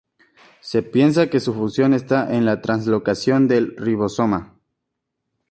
Se piensa que su función está en la translocación del ribosoma.